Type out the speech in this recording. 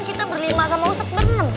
kan kita berlima sama ustadz beneran